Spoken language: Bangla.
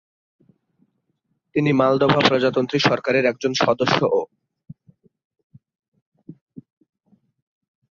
তিনি মলদোভা প্রজাতন্ত্রী সরকারের একজন সদস্যও।